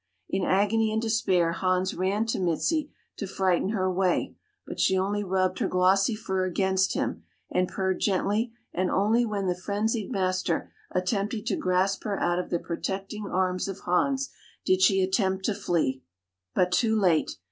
In agony and despair Hans ran to Mizi to frighten her away but she only rubbed her glossy fur against him and purred gently and only when the frenzied master attempted to grasp her out of the protecting arms of Hans did she attempt to flee but too late!